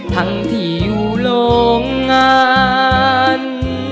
ทั้งที่อยู่โรงงาน